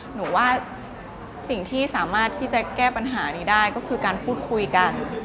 หนูว่าสิ่งที่สามารถที่จะแก้ปัญหานี้ได้ก็คือการพูดคุยกัน